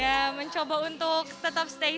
ya mencoba untuk tetap stay